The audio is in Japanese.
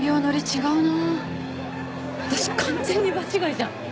私完全に場違いじゃん。